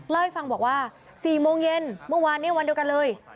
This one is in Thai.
เล่าให้ฟังบอกว่า๔โมงเย็นเมื่อวานนี้วันเดียวกันเลย